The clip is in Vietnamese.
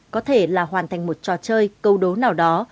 có thể là hoàn thành một trò chơi câu đố nào đó